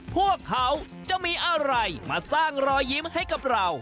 พวกเขาจะมีอะไรมาสร้างรอยยิ้มให้กับเรา